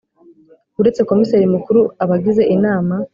Uretse Komiseri Mukuru abagize inama